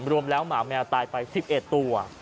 รวมแล้วหมาแมวตายไป๑๑ตัว